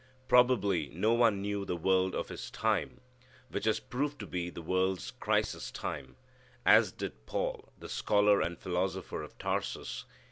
Probably no one knew the world of his time, which has proved to be the world's crisis time, as did Paul the scholar and philosopher of Tarsus.